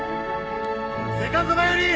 セカンドバイオリン！